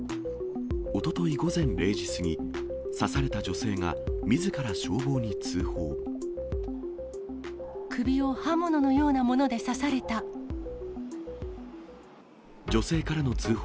おととい午前０時過ぎ、刺された女性がみずから消防に通報。